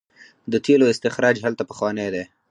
د تیلو استخراج هلته پخوانی دی.